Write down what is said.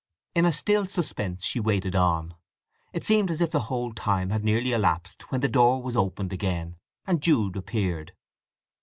In a still suspense she waited on. It seemed as if the whole time had nearly elapsed when the door was opened again, and Jude appeared.